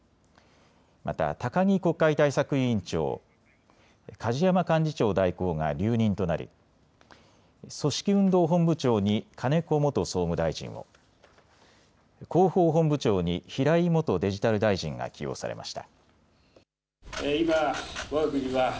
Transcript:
また、高木国会対策委員長、梶山幹事長代行が留任となり、組織運動本部長に金子元総務大臣を、広報本部長に平井元デジタル大臣が起用されました。